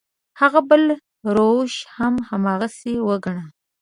هغه بل روش هم هماغسې وګڼه.